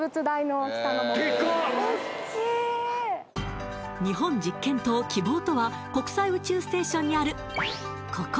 おっきい日本実験棟「きぼう」とは国際宇宙ステーションにあるここ